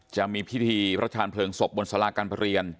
จะมีพิธีพระชาญเพลิงศพบนสาราการประเรียน